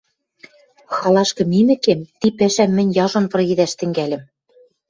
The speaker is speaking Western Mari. Халашкы мимӹкем, ти пӓшӓм мӹнь яжон пыргедӓш тӹнгӓльӹм.